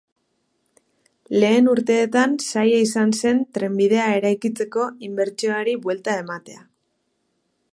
Lehen urteetan zaila izan zen trenbidea eraikitzeko inbertsioari buelta ematea.